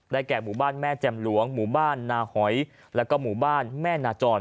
แก่หมู่บ้านแม่แจ่มหลวงหมู่บ้านนาหอยแล้วก็หมู่บ้านแม่นาจร